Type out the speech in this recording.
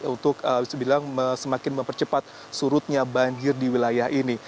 untuk semakin mempercepat surutnya banjir di wilayah ini